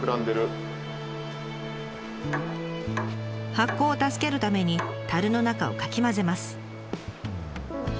発酵を助けるために樽の中をかき混ぜます。